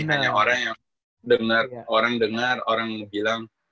hanya orang yang dengar orang dengar orang bilang